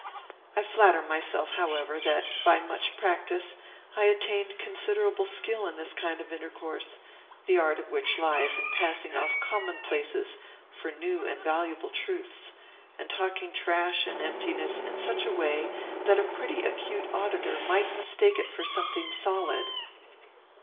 I flatter myself, however, that, by much practice, I attained considerable skill in this kind of intercourse, the art of which lies in passing off commonplaces for new and valuable truths, and talking trash and emptiness in such a way that a pretty acute auditor might mistake it for something solid.